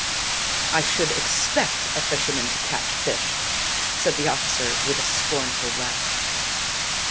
" I should expect a fisherman to catch fish," said the officer, with a scornful laugh.